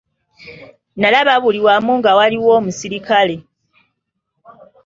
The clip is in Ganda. Nalaba buli wamu nga waliwo omusirikale.